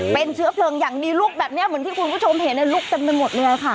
เป็นเชื้อเพลิงอย่างดีลุกแบบนี้เหมือนที่คุณผู้ชมเห็นลุกเต็มไปหมดเลยค่ะ